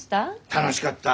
楽しかった。